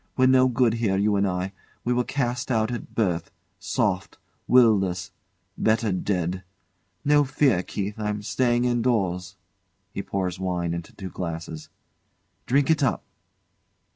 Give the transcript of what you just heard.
We're no good here, you and I we were cast out at birth soft, will less better dead. No fear, Keith! I'm staying indoors. [He pours wine into two glasses] Drink it up!